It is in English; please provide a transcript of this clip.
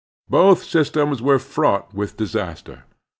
Both systems werefraught with disaster.